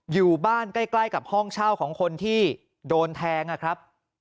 อยู่บ้านใกล้กับห้องเช่าของคนที่โดนแทงนะครับ